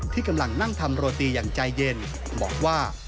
ที่กำลังนั่งทำโรตีอย่างใจเย็นบอกว่า